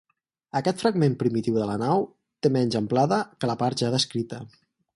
Aquest fragment primitiu de la nau té menys amplada que la part ja descrita.